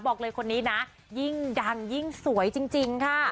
บอกเลยคนนี้นะยิ่งดังยิ่งสวยจริงค่ะ